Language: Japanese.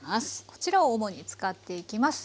こちらを主に使っていきます。